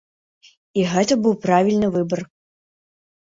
І гэта быў правільны выбар.